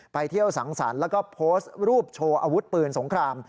ไปเที่ยวสังสรรค์แล้วก็โพสต์รูปโชว์อาวุธปืนสงคราม